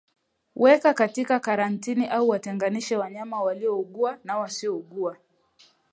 Weka katika karantini au watenganishe wanyama wanaougua na wasiougua